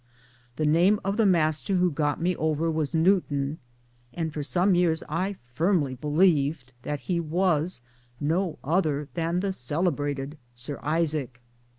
The name of the master who got me over was Newton, and for some years I firmly believed that he was no other than the celebrated Sir Isaac.